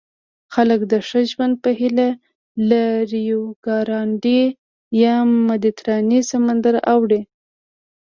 خلک د ښه ژوند په هیله له ریوګرانډي یا مدیترانې سمندر اوړي.